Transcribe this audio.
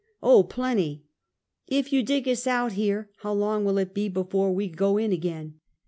" Oh, plenty." " If you dig us out here, how long will it be before we go in again?"